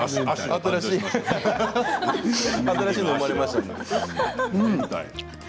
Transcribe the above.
新しいのが、生まれましたね。